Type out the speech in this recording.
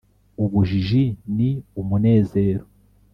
ubujiji ni umunezero